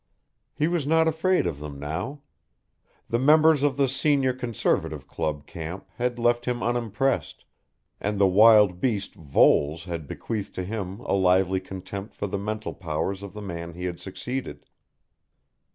He was not afraid of them now. The members of the Senior Conservative Club Camp had left him unimpressed, and the wild beast Voles had bequeathed to him a lively contempt for the mental powers of the man he had succeeded.